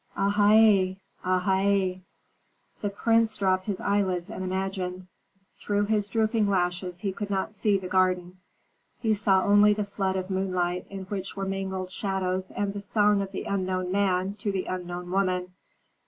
"Áha ā! áha ā! " The prince dropped his eyelids and imagined. Through his drooping lashes he could not see the garden, he saw only the flood of moonlight in which were mingled shadows and the song of the unknown man to the unknown woman.